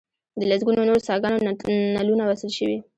د لسګونو نورو څاګانو نلونه وصل شوي.